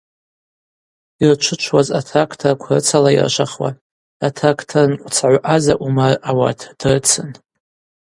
Йырчвычвуаз атракторква рыцалайыршвахуа, атракторнкъвцагӏв ъаза Умар ауат дрыцын.